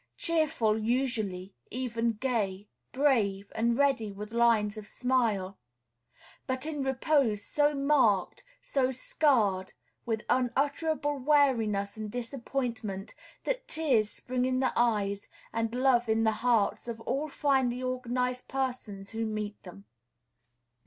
Cheerful usually, even gay, brave, and ready with lines of smile; but in repose so marked, so scarred with unutterable weariness and disappointment, that tears spring in the eyes and love in the hearts of all finely organized persons who meet them.